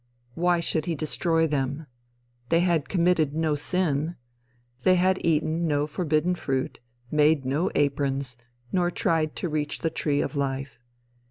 Why should he destroy them? They had committed no sin. They had eaten no forbidden fruit, made no aprons, nor tried to reach the tree of life.